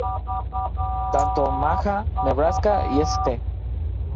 Tanto Omaha, Nebraska y St.